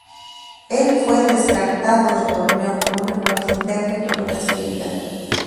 Él fue descartado del torneo por una hemorragia interna y perforación del hígado.